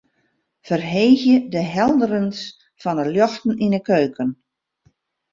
Ferheegje de helderens fan de ljochten yn de keuken.